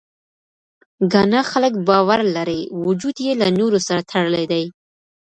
ګانا خلک باور لري، وجود یې له نورو سره تړلی دی.